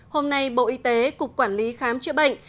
hôm nay bộ y tế cục quản lý khám chữa bệnh